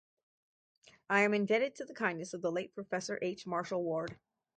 I am indebted to the kindness of the late Professor H. Marshall Ward.